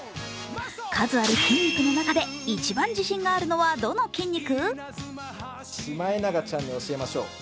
数ある筋肉の中で一番自信があるのはどの筋肉？